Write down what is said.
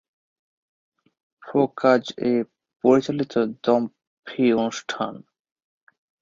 ফো কাজ এ পরিচালিত দম ফী অনুষ্ঠান।